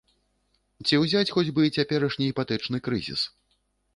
Ці ўзяць хоць бы цяперашні іпатэчны крызіс.